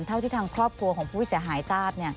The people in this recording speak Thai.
เท่าที่ทางครอบครัวของผู้เสียหายทราบ